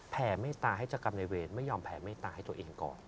เมตตาให้เจ้ากรรมในเวรไม่ยอมแผ่เมตตาให้ตัวเองก่อน